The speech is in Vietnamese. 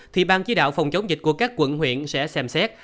thì ban chỉ đạo phòng chống dịch của các quận huyện sẽ xem xét